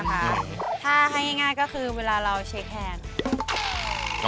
ถ้าให้ง่ายก็คือเวลาเราเช็คแทน